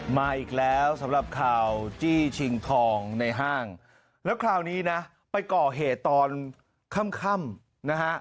มาอีกแล้วสำหรับข่าวจี้ชิงทองในห้างแล้วคราวนี้นะไปก่อเหตุตอนค่ำนะฮะ